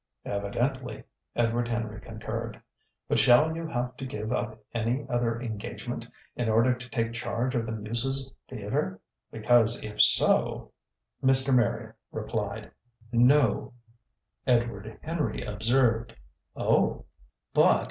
"Evidently!" Edward Henry concurred. "But shall you have to give up any other engagement in order to take charge of the Muses' Theatre? Because if so " Mr. Marrier replied: "No." Edward Henry observed: "Oh!"